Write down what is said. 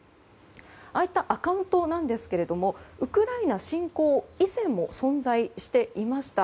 ああいったアカウントなんですがウクライナ侵攻以前も存在していました。